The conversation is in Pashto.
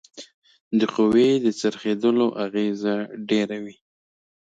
د قوې د څرخیدلو اغیزه ډیره وي.